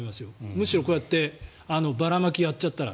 むしろこうやってばらまきをやっちゃったら。